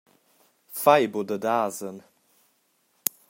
Fai buca dad asen!